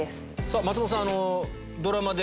さぁ松本さん。